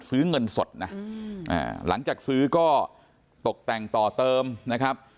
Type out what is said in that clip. ซื้อเงินสดนะหลังจากซื้อก็ตกแต่งต่อเติมนะครับ